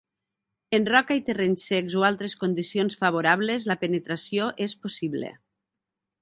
En roca i terrenys secs o altres condicions favorables, la penetració és possible.